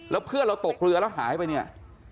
แล้วเพื่อนเราตกเรือแล้วหายไปเนี่ย